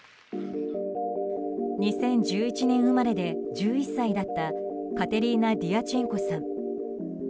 ２０１１年生まれで１１歳だったカテリーナ・ディアチェンコさん